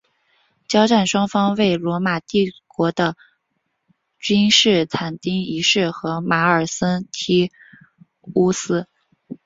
交战双方为罗马帝国的君士坦丁一世和马克森提乌斯。